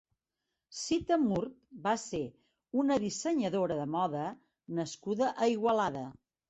Sita Murt va ser una dissenyadora de moda nascuda a Igualada.